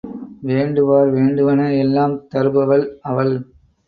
வேண்டுவார் வேண்டுவன எல்லாம் தருபவள் அவள்.